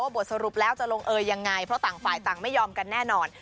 บทสรุปแล้วจะลงเอยยังไงเพราะต่างฝ่ายต่างไม่ยอมกันแน่นอน